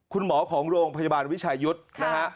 คุณหมอของโรงพยาบาลวิชายุทธ์นะฮะ